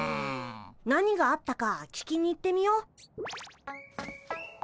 何があったか聞きに行ってみよ。